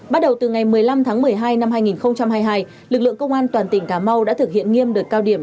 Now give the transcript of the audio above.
bắt đầu từ ngày một mươi năm tháng một mươi hai năm hai nghìn hai mươi hai lực lượng công an toàn tỉnh cà mau đã thực hiện nghiêm đợt cao điểm